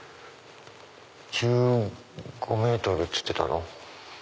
１５ｍっつってたな。